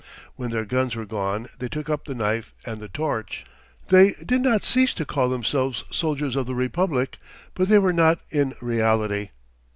When their guns were gone they took up the knife and the torch. They did not cease to call themselves soldiers of the republic, but they were not in reality.